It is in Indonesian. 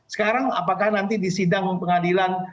sekarang apakah nanti di sidang pengadilan